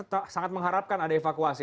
anda kan sangat mengharapkan ada evakuasi